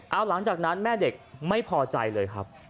เอาหลังจากนั้นแม่เด็กไม่พอใจเลยครับ